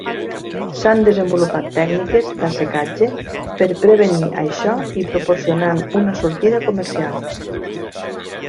S'han desenvolupat tècniques d'assecatge per prevenir això i proporcionant una sortida comercial.